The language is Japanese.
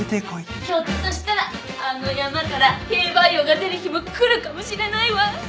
ひょっとしたらあの山から兵馬俑が出る日も来るかもしれないわ。